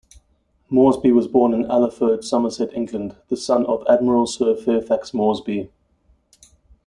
Moresby was born in Allerford, Somerset, England, the son of Admiral Sir Fairfax Moresby.